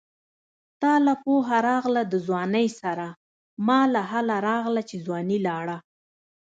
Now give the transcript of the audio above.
تاله پوهه راغله د ځوانۍ سره ماله هله راغله چې ځواني لاړه